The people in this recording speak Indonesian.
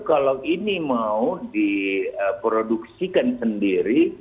kalau ini mau diproduksikan sendiri